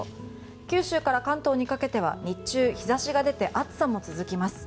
九州から関東にかけては日中、日差しが出て暑さも続きます。